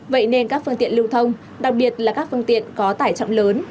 vậy nên các phương tiện lưu thông đặc biệt là các phương tiện có tải trọng lớn